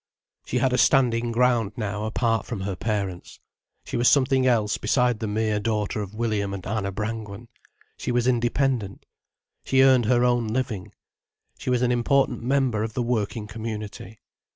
She had a standing ground now apart from her parents. She was something else besides the mere daughter of William and Anna Brangwen. She was independent. She earned her own living. She was an important member of the working community.